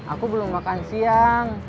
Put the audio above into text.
aku belum makan siang